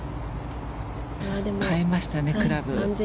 変えましたね、クラブ。